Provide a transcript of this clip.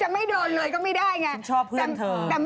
เป็นไปกันเหรอครับ